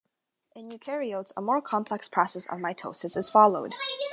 In eukaryotes, a more complex process of mitosis is followed.